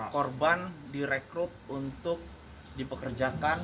korban direkrut untuk dipekerjakan